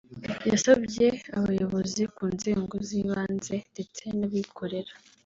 yasabye abayobozi ku nzego z’ibanze ndetse n’abikorera